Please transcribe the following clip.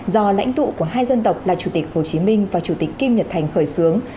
do lãnh tụ của hai dân tộc là chủ tịch hồ chí minh và chủ tịch kim nhật thành khởi xướng